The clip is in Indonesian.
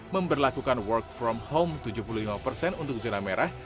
memperlakukan work from home tujuh puluh lima persen untuk zona merah